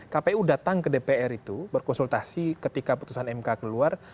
kpu datang ke dpr itu berkonsultasi ketika putusan mk keluar